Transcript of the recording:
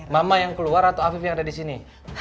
mama yang keluar atau afif yang ada di sini